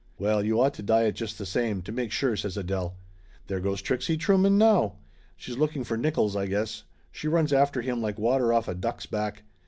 "Well, you ought to diet just the same, to make sure !" says Adele. "There goes Tiixie Trueman, now. She's looking for Nickolls, I guess. She runs after him like water off a duck's back.